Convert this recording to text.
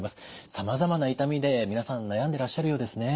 さまざまな痛みで皆さん悩んでらっしゃるようですね。